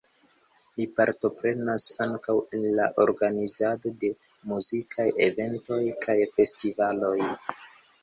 Li partoprenas ankaŭ en la organizado de muzikaj eventoj kaj festivaloj.